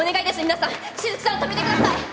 皆さん雫さんを止めてください！